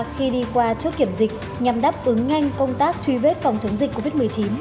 khi đi qua chốt kiểm dịch nhằm đáp ứng nhanh công tác truy vết phòng chống dịch covid một mươi chín